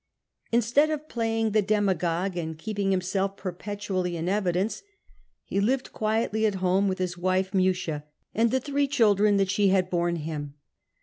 Instead of playing the demagogue and keeping hiniHclf perpetually in evidence, he lived quietly at home with THE PIRATES 249 his wife Mucia^ and the three children that she had borne him.